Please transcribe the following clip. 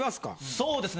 そうですね